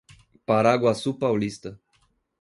Paraguaçu Paulista